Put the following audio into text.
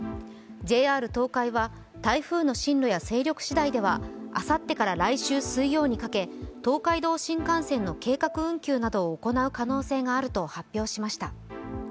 ＪＲ東海は台風の進路や勢力しだいではあさってから来週水曜にかけ東海道新幹線の計画運休などを行う可能性があると発表しました。